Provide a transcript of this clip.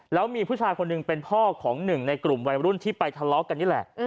แล้วมีผู้ชายคนหนึ่งเป็นพ่อของหนึ่งในกลุ่มวัยรุ่นที่ไปทะเลาะกันนี่แหละ